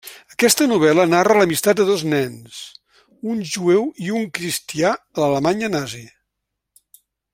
Aquesta novel·la narra l'amistat de dos nens, un jueu i un cristià a l'Alemanya nazi.